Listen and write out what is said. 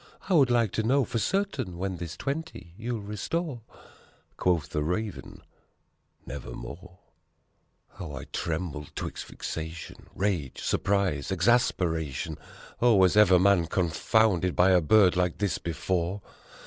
I would like to know for certain when this twenty you'll restore?" Quoth the Raven, "Nevermore !" How I trembled 'twixt vexation rage surprise exasperation! Oh, was ever man confounded by a bird like this before?